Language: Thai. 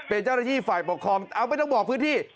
เป็นเจ้าหน้าที่ฝ่ายปกครองเอาไม่ต้องบอกพื้นที่